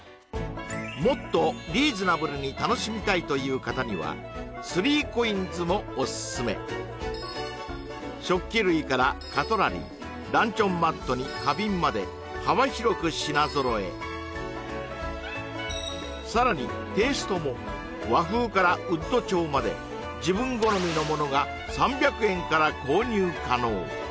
もっとリーズナブルに楽しみたいという方には３ＣＯＩＮＳもオススメ食器類からカトラリーランチョンマットに花瓶まで幅広く品揃えさらにテイストも和風からウッド調まで自分好みのものが３００円から購入可能